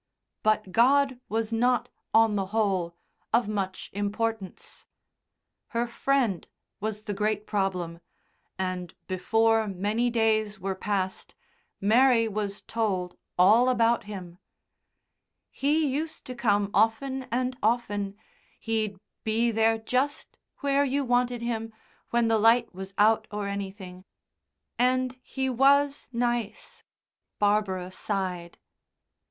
But God was not, on the whole, of much importance; her Friend was the great problem, and before many days were passed Mary was told all about him. "He used to come often and often. He'd be there just where you wanted him when the light was out or anything. And he was nice." Barbara sighed.